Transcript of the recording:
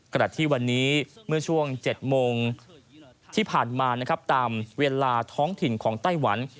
ขณะที่วันนี้เมื่อช่วง๗โมงที่ผ่านมานะครับตามเวลาท้องถิ่นของไต้หวัน